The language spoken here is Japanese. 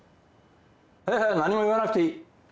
ああ何も言わなくていい。